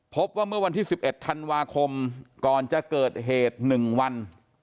พบว่าเมื่อวันที่๑๑ธันวาคมก่อนจะเกิดเหตุ๑วัน